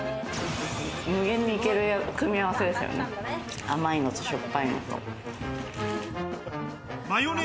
無限に行ける組み合わせですよね。